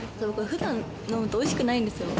普段飲むと美味しくないんですよ。